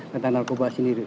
tentang narkoba sendiri